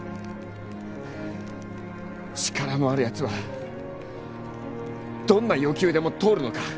力のあるやつはどんな要求でも通るのか？